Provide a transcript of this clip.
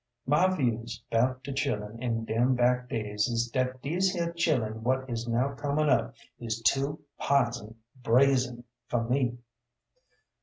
My views 'bout de chillun in dem bac' days is dat dese here chillun what is now comin' up is too pizen brazen fer me.